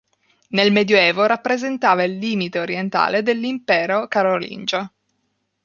Nel medioevo rappresentava il limite orientale dell'impero carolingio.